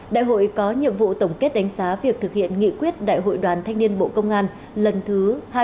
đại hội có nhiệm vụ tổng kết đánh giá việc thực hiện nghị quyết đại hội đoàn thanh niên bộ công an lần thứ hai